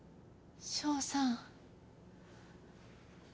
翔さん。